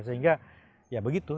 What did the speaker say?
sehingga ya begitu